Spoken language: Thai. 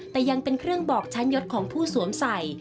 แต่ยังเป็นเครื่องบอกชั้นยศของผู้สวมใส่